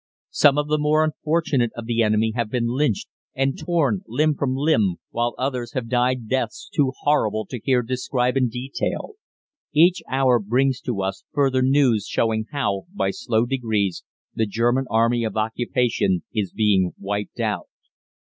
Some of the more unfortunate of the enemy have been lynched, and torn limb from limb, while others have died deaths too horrible to here describe in detail. "Each hour brings to us further news showing how, by slow degrees, the German army of occupation is being wiped out.